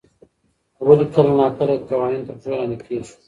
ولي کله ناکله قوانين تر پښو لاندې کيږي؟